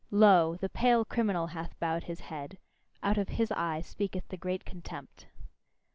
Lo! the pale criminal hath bowed his head: out of his eye speaketh the great contempt.